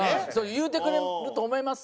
言うてくれると思います